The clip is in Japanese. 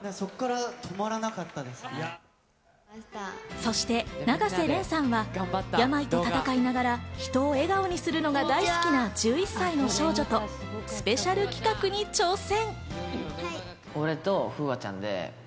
そして永瀬廉さんは病と闘いながら人を笑顔にするのが大好きな１１歳の少女とスペシャル企画に挑戦。